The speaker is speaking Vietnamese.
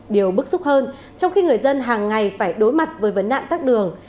điều bức xúc hơn trong khi người dân hàng ngày phải đối mặt với vấn nạn tắt đường